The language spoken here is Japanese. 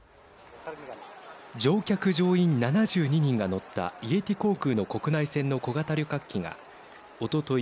乗客乗員７２人が乗ったイエティ航空の国内線の小型旅客機がおととい